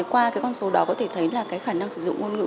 qua con số đó có thể thấy khả năng sử dụng ngôn ngữ